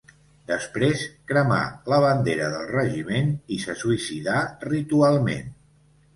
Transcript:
Després cremà la bandera del regiment i se suïcidà ritualment.